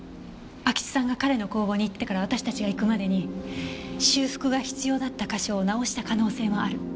安芸津さんが彼の工房に行ってから私たちが行くまでに修復が必要だった箇所を直した可能性もある。